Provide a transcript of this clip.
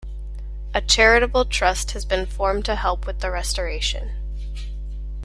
A Charitable Trust has been formed to help with the restoration.